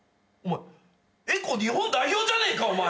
エコ日本代表じゃねえかお前。